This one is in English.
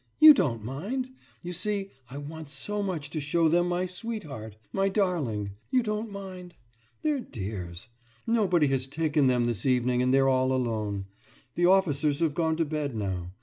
You don't mind? You see, I want so much to show them my sweetheart, my darling; you don't mind? They're dears! Nobody has taken them this evening and they're all alone. The officers have gone to bed now.